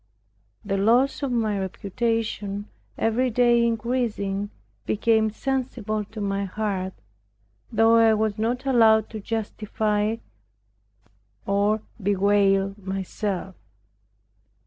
The loss of my reputation every day increasing, became sensible to my heart, though I was not allowed to justify or bewail myself.